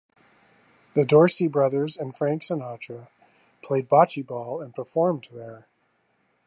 The Dorsey Brothers and Frank Sinatra played bocce ball and performed there.